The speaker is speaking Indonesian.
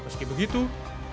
pelaksanaan penularan menurun